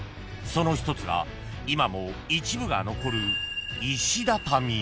その一つが今も一部が残る］